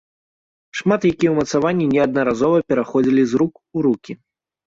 Шмат якія ўмацаванні неаднаразова пераходзілі з рук у рукі.